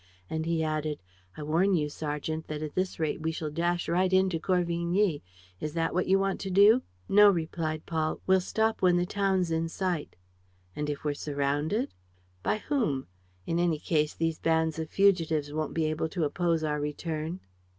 And he added, "I warn you, sergeant, that at this rate we shall dash right into Corvigny. Is that what you want to do?" "No," replied Paul, "we'll stop when the town's in sight." "And, if we're surrounded?" "By whom? In any case, these bands of fugitives won't be able to oppose our return."